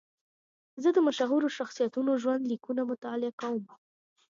زه د مشهورو شخصیتونو ژوند لیکونه مطالعه کوم.